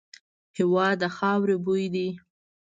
هېواد د خاوري بوی دی.